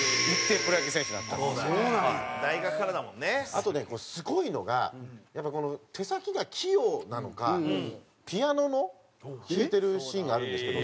あとねすごいのがやっぱ手先が器用なのかピアノの弾いてるシーンがあるんですけどそちらを。